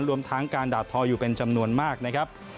รวมทั้งการด่าทออยู่เป็นจำนวนมากนะครับ